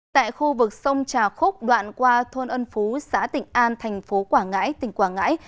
tại khu vực sông trà khúc đoạn qua thôn ân phú xã tỉnh an thành phố quảng ngãi tỉnh quảng ngãi